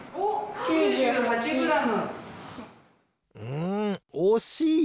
うんおしい！